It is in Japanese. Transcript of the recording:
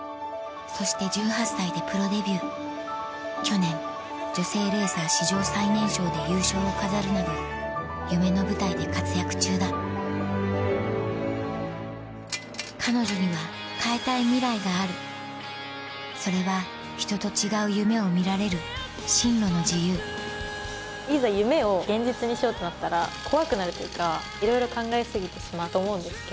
そして１８歳でプロデビュー去年女性レーサー史上最年少で優勝を飾るなど夢の舞台で活躍中だ彼女には変えたいミライがあるそれは人と違う夢を見られる進路の自由いざ夢を現実にしようとなったら怖くなるというかいろいろ考え過ぎてしまうと思うんですけど。